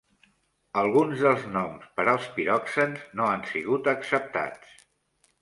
Alguns dels noms per als piroxens no han sigut acceptats.